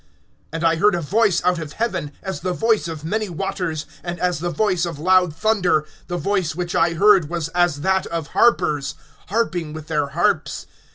(2)And I heard a voice out of heaven, as the voice of many waters, and as the voice of loud thunder; the voice which I heard was as that of harpers, harping with their harps.